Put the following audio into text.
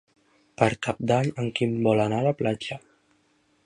Per Cap d'Any en Quim vol anar a la platja.